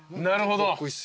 なるほど。